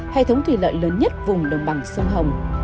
hệ thống thủy lợi lớn nhất vùng đồng bằng sông hồng